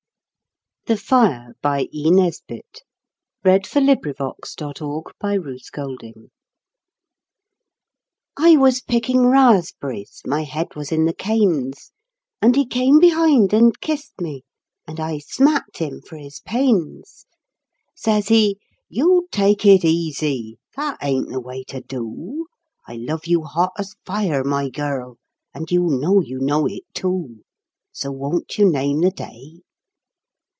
grow to When the rose you chose is over. B 18 THE FIRE THE FIRE I was picking raspberries, my head was in the canes, And he came behind and kissed me, and I smacked him for his pains. Says he, " You take it easy ! That ain't the way to do ! I love you hot as fire, my girl, and you know you know it too. So won't you name the day